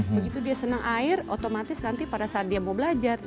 begitu dia senang air otomatis nanti pada saat dia mau belajar